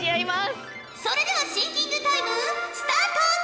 それではシンキングタイムスタート！